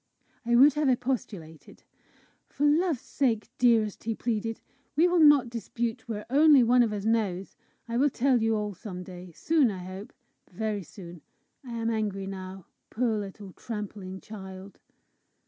I would have expostulated. "For love's sake, dearest," he pleaded, "we will not dispute where only one of us knows! I will tell you all some day soon, I hope, very soon. I am angry now! Poor little tramping child!"